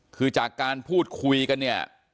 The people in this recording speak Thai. คือจากการพูดคุยกันเนี่ย